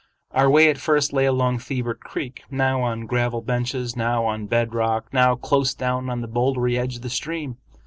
Our way at first lay along Thibert Creek, now on gravel benches, now on bed rock, now close down on the bouldery edge of the stream.